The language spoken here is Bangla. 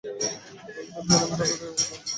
ললিতা কহিল, আমি কলকাতায় যাবার কথা বলছি।